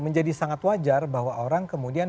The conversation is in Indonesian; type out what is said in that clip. menjadi sangat wajar bahwa orang kemudian